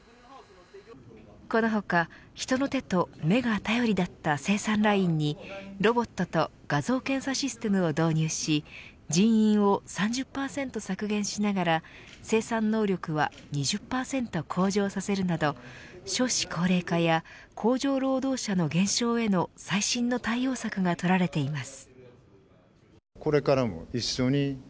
この他、人の手と目が頼りだった生産ラインにロボットと画像検査システムを導入し人員を３０％削減しながら生産能力は２０％向上させるなど少子高齢化や工場労働者の減少への最新の対応策がとられています。